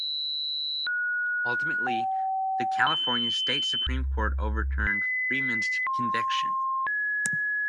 Ultimately, the California State Supreme Court overturned Freeman's conviction.